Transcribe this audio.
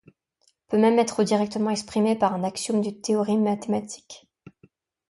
Elle peut même être directement exprimée par un axiome d'une théorie mathématique.